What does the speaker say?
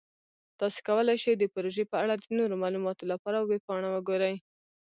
تاسو کولی شئ د پروژې په اړه د نورو معلوماتو لپاره ویب پاڼه وګورئ.